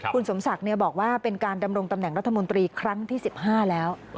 คุณสมศักดิ์บอกว่าเป็นการดำรงตำแหน่งรัฐมนตรีครั้งที่๑๕แล้ว